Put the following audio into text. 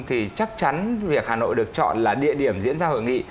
thì chắc chắn việc hà nội được chọn là địa điểm diễn ra hội nghị